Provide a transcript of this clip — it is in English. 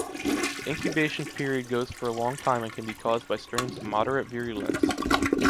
The incubation period goes for a long time and can be caused by strains of moderate virulence.